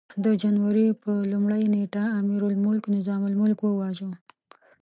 د جنوري پر لومړۍ نېټه امیرالملک نظام الملک وواژه.